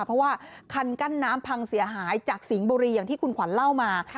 เพราะว่าคันกั้นน้ำพังเสียหายจากสิงห์บุรีอย่างที่คุณขวัญเล่ามา